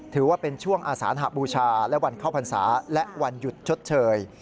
ถือว่าเป็นช่วงอาสานหบูชาและวันเข้าพรรษาและวันหยุดชดเชย